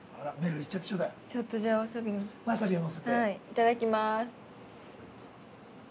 いただきます。